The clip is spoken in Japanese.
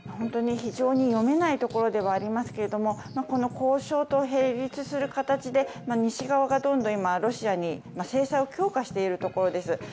非常に読めないところではありますけどもこの交渉と並立する形で西側がどんどんロシアに制裁を強化しているところです。